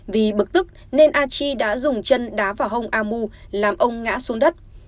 vì bực tức nên a chi đã dùng chân đá vào hông amu làm ông ngã xuống đất